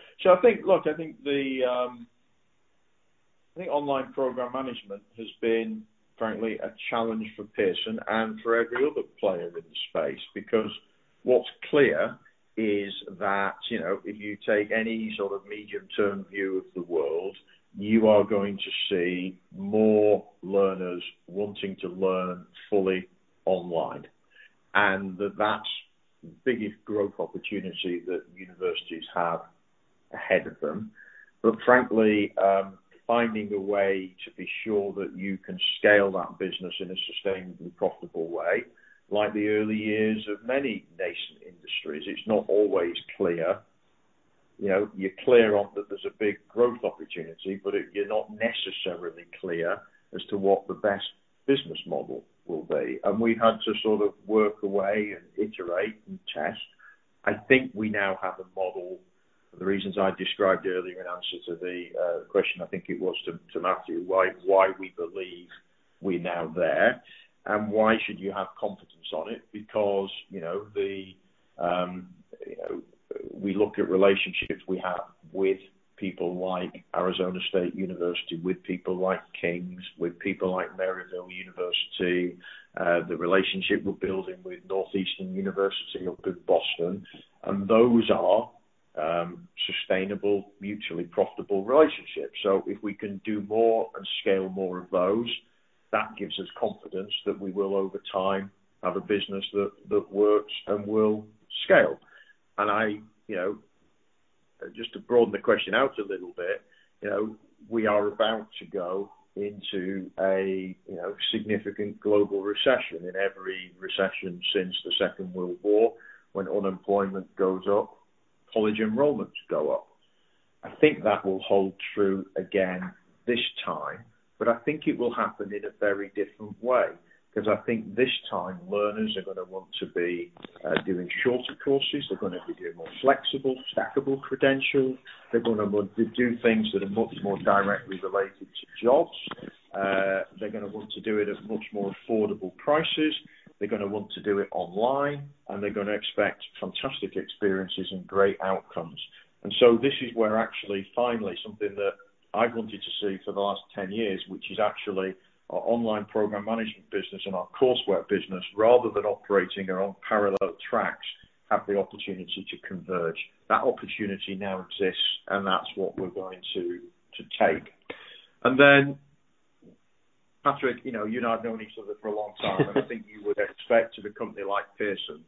I think Online Program Management has been, frankly, a challenge for Pearson and for every other player in the space, because what's clear is that, if you take any sort of medium-term view of the world, you are going to see more learners wanting to learn fully online, and that's the biggest growth opportunity that universities have ahead of them. Frankly, finding a way to be sure that you can scale that business in a sustainably profitable way, like the early years of many nascent industries, it's not always clear. You're clear on that there's a big growth opportunity, but you're not necessarily clear as to what the best business model will be. We had to sort of work away and iterate and test. I think we now have a model, for the reasons I described earlier in answer to the question, I think it was to Matthew, why we believe we're now there and why should you have confidence on it. Because, we look at relationships we have with people like Arizona State University, with people like King's, with people like Maryville University, the relationship we're building with Northeastern University up in Boston, and those are sustainable, mutually profitable relationships. If we can do more and scale more of those, that gives us confidence that we will, over time, have a business that works and will scale. Just to broaden the question out a little bit, we are about to go into a significant global recession. In every recession since the Second World War, when unemployment goes up, college enrollments go up. I think that will hold true again this time. I think it will happen in a very different way. I think this time, learners are going to want to be doing shorter courses. They're going to be doing more flexible, stackable credentials. They're going to want to do things that are much more directly related to jobs. They're going to want to do it at much more affordable prices. They're going to want to do it online, and they're going to expect fantastic experiences and great outcomes. This is where actually, finally, something that I've wanted to see for the last 10 years, which is actually our online program management business and our coursework business, rather than operating on parallel tracks, have the opportunity to converge. That opportunity now exists, and that's what we're going to take. Patrick, you and I have known each other for a long time, and I think you would expect of a company like Pearson,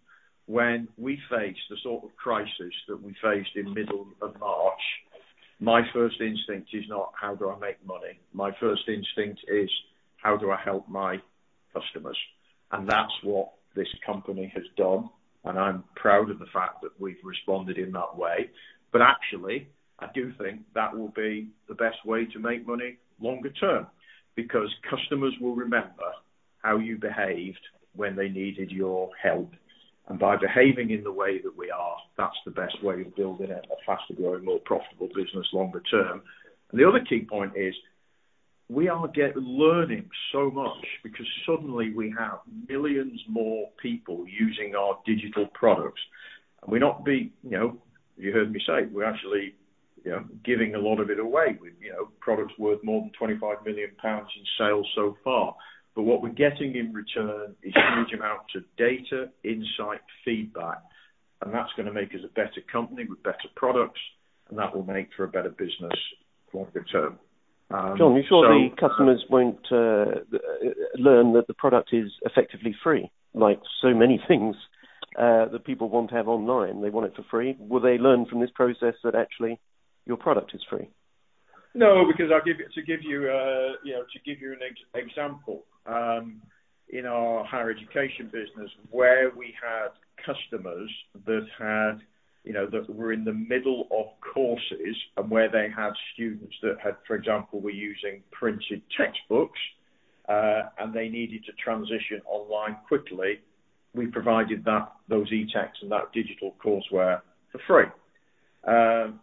when we face the sort of crisis that we faced in middle of March, my first instinct is not, how do I make money? My first instinct is, how do I help my customers? That's what this company has done, and I'm proud of the fact that we've responded in that way. Actually, I do think that will be the best way to make money longer term, because customers will remember how you behaved when they needed your help. By behaving in the way that we are, that's the best way of building a faster-growing, more profitable business longer term. The other key point is, we are learning so much because suddenly we have millions more people using our digital products. You heard me say, we're actually giving a lot of it away with products worth more than 25 million pounds in sales so far. What we're getting in return is huge amounts of data, insight, feedback, and that's going to make us a better company with better products, and that will make for a better business longer term. John, are you sure the customers won't learn that the product is effectively free, like so many things that people want to have online, they want it for free? Will they learn from this process that actually your product is free? To give you an example. In our higher education business where we had customers that were in the middle of courses and where they had students that, for example, were using printed textbooks, and they needed to transition online quickly, we provided those e-texts and that digital courseware for free.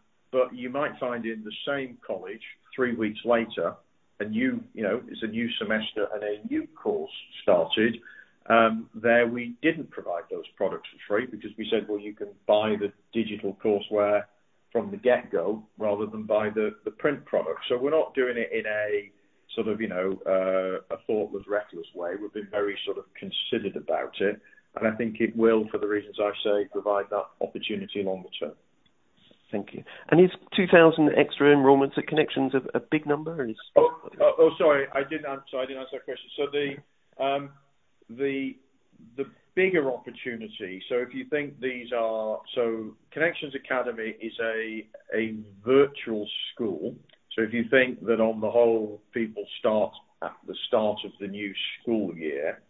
You might find in the same college, three weeks later, it's a new semester and a new course started, there we didn't provide those products for free because we said, well, you can buy the digital courseware from the get-go rather than buy the print product. We're not doing it in a thoughtless, reckless way. We've been very considered about it, and I think it will, for the reasons I've said, provide that opportunity longer term. Thank you. Is 2,000 extra enrollments at Connections a big number? Sorry, I didn't answer that question. The bigger opportunity, so Connections Academy is a virtual school. If you think that on the whole, people start at the start of the new school year,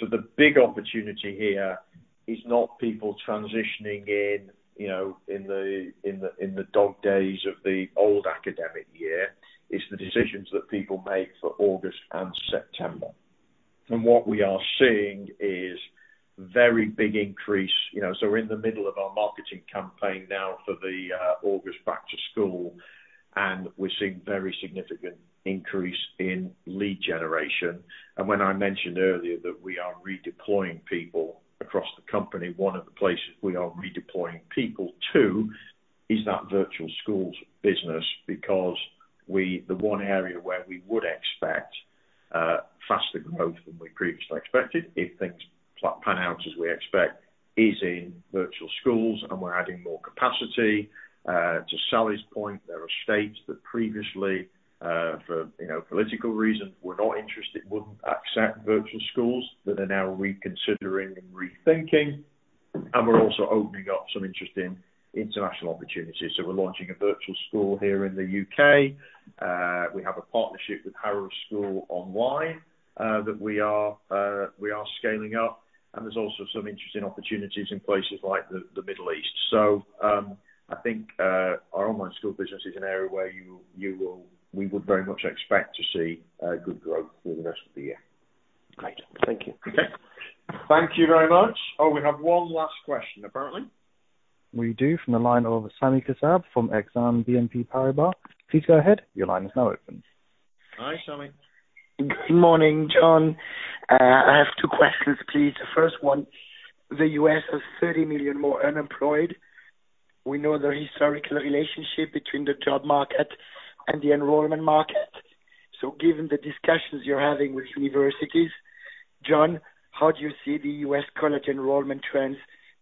so the big opportunity here is not people transitioning in the dog days of the old academic year, it's the decisions that people make for August and September. What we are seeing is very big increase. We're in the middle of our marketing campaign now for the August back to school, and we're seeing very significant increase in lead generation. When I mentioned earlier that we are redeploying people across the company, one of the places we are redeploying people to is that virtual schools business, because the one area where we would expect faster growth than we previously expected, if things pan out as we expect, is in virtual schools, and we're adding more capacity. To Sally's point, there are states that previously, for political reasons, were not interested, wouldn't accept virtual schools, that are now reconsidering and rethinking. We're also opening up some interesting international opportunities. We're launching a virtual school here in the U.K. We have a partnership with Harrow School Online that we are scaling up, and there's also some interesting opportunities in places like the Middle East. I think our online school business is an area where we would very much expect to see good growth for the rest of the year. Great. Thank you. Okay. Thank you very much. Oh, we have one last question, apparently. We do, from the line of Sami Kassab from Exane BNP Paribas. Please go ahead. Your line is now open. Hi, Sami. Good morning, John. I have two questions, please. The first one, the U.S. has 30 million more unemployed. We know the historical relationship between the job market and the enrollment market. Given the discussions you're having with universities, John, how do you see the U.S. college enrollment trends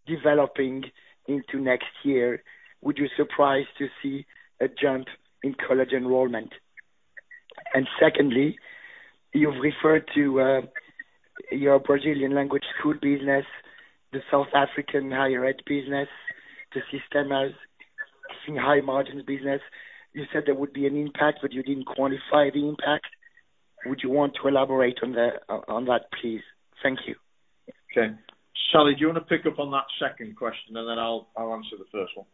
developing into next year? Would you surprise to see a jump in college enrollment? Secondly, you've referred to your Brazilian language school business, the South African higher ed business, the system as high-margin business. You said there would be an impact, but you didn't quantify the impact. Would you want to elaborate on that, please? Thank you. Okay. Sally, do you want to pick up on that second question, and then I'll answer the first one.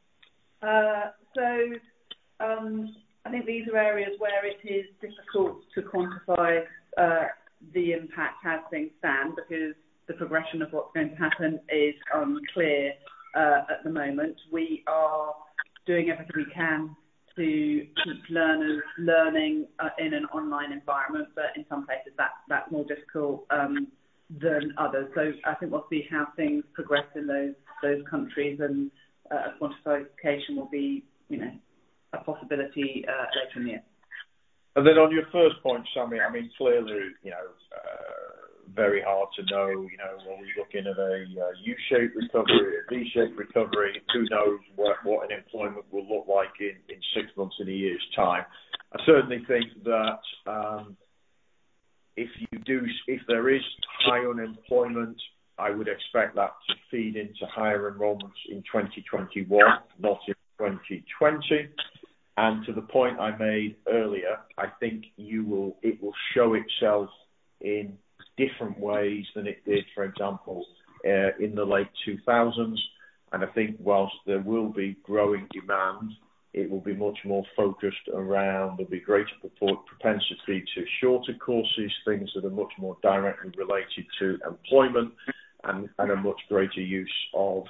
I think these are areas where it is difficult to quantify the impact as things stand because the progression of what's going to happen is unclear at the moment. We are doing everything we can to keep learners learning in an online environment. In some places, that's more difficult than others. I think we'll see how things progress in those countries and a quantification will be a possibility later in the year. On your first point, Sami, clearly, very hard to know. Are we looking at a U-shaped recovery, a V-shaped recovery? Who knows what unemployment will look like in six months, in a year's time. I certainly think that if there is high unemployment, I would expect that to feed into higher enrollments in 2021, not in 2020. To the point I made earlier, I think it will show itself in different ways than it did, for example, in the late 2000s. I think whilst there will be growing demand, there'll be greater propensity to shorter courses, things that are much more directly related to employment and a much greater use of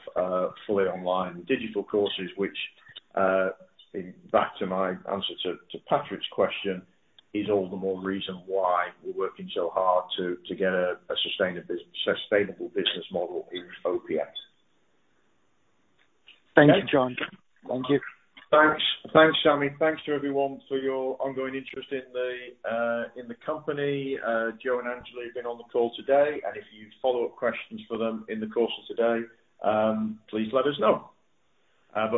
fully online digital courses, which, back to my answer to Patrick's question, is all the more reason why we're working so hard to get a sustainable business model in OPM. Thank you, John. Okay. Thank you. Thanks, Sami. Thanks to everyone for your ongoing interest in the company. Joe and Angela have been on the call today, and if you've follow-up questions for them in the course of today, please let us know.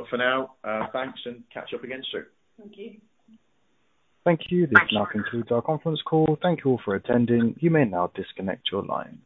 For now, thanks and catch up again soon. Thank you. Thank you. This now concludes our conference call. Thank you all for attending. You may now disconnect your lines.